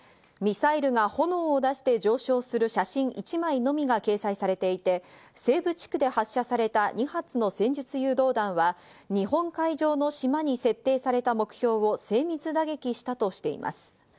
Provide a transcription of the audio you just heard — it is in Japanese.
ミサイルが炎を出して上昇する写真１枚のみが掲載されていて、西部地区で発射された２発の戦術誘導弾は日本海上の島に設定された目標を精密打撃したとしています。